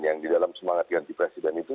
yang di dalam semangat ganti presiden itu